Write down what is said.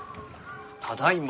ただいま。